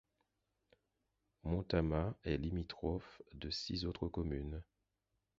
Montamat est limitrophe de six autres communes.